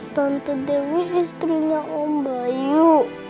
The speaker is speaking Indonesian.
tante dewi istrinya om bayu